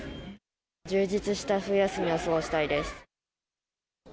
充実した冬休みを過ごしたいです。